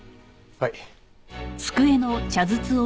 はい。